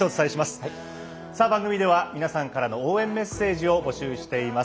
番組では皆さんからの応援メッセージを募集しています。